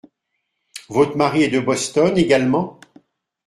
Votre mari est de Boston également ?